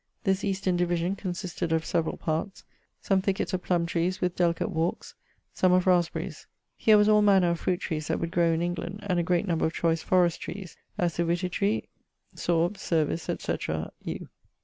This eastern division consisted of severall parts; some thicketts of plumme trees with delicate walkes; some of rasberies. Here was all manner of fruit trees that would grow in England; and a great number of choice forest trees; as the whitti tree, sorbe , cervice , etc., eugh.